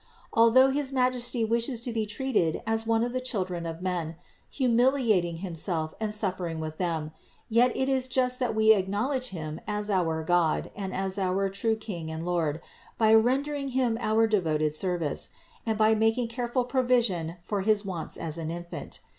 Although his Majesty wishes to be treated as one of the children of men, humiliating Himself and suffering with them, yet it is just that we acknowledge Him as our God and as our true King and Lord by rendering Him our devoted service, and by making careful provision for his wants as an infant.